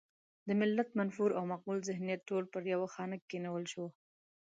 د ملت منفور او مقبول ذهنیت ټول پر يوه خانک کېنول شو.